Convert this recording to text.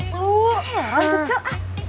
tuh heran tuh cu